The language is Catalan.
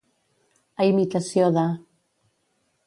A imitació de.